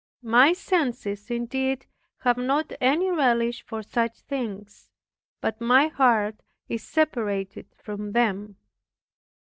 My senses indeed have not any relish for such things, but my heart is separated from them.